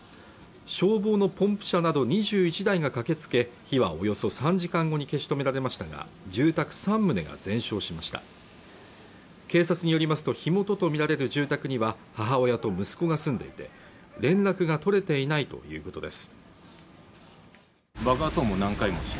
消防のポンプ車など２１台が駆けつけ火はおよそ３時間後に消し止められましたが住宅三棟が全焼しました警察によりますと火元とみられる住宅には母親と息子が住んでいて連絡が取れていないということです